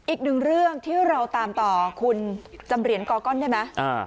อีกหนึ่งเรื่องที่เราตามต่อคุณจำเหรียญกอก้อนได้ไหม